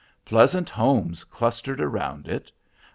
Pleasant homes clustered around it.